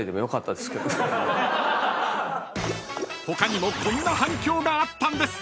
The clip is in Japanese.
［他にもこんな反響があったんです］